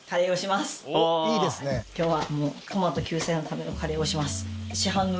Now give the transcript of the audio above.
今日は。